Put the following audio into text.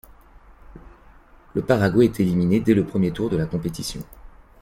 Le Paraguay est éliminé dès le premier tour de la compétition.